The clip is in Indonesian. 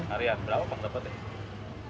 harian berapa bang dapatnya